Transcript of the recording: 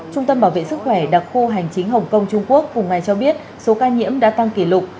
trung tâm bảo vệ sức khỏe đặc khu hành chính hồng kông trung quốc cùng ngày cho biết số ca nhiễm đã tăng kỷ lục